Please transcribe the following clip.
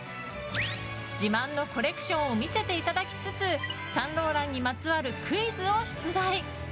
自慢のコレクションを見せていただきつつサンローランにまつわるクイズを出題。